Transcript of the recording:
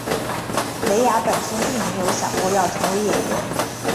蕾雅本身并没有想过要成为演员。